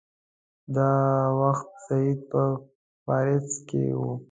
دا وخت سید په پاریس کې وو.